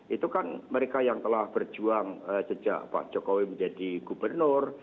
itu kan mereka yang telah berjuang sejak pak jokowi menjadi gubernur